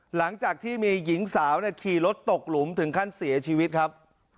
หลังจากที่มีหญิงสาวขี่รถตกหลุมถึงขั้นเสียชีวิตครับ